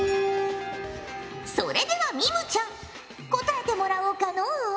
それではミムちゃん答えてもらおうかのう。